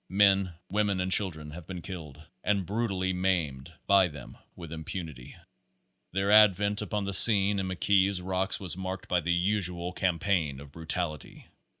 Men, women and children have been killed and brutally maimed by them with impunity. Their ad Page Twenty one Vent upon the scene in McKees Rocks was marked by the usual campaign of brutality.